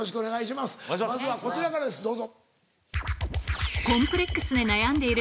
まずはこちらからですどうぞ。